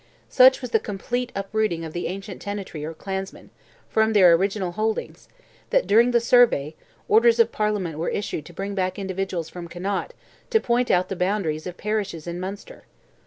Such was the complete uprooting of the ancient tenantry or clansmen, from their original holdings, that during the survey, orders of Parliament were issued to bring back individuals from Connaught to point out the boundaries of parishes in Munster.